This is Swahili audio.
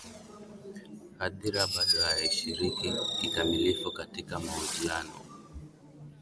hadhira bado haishiriki kikamilifu katika mahojiano